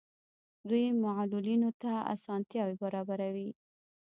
دوی معلولینو ته اسانتیاوې برابروي.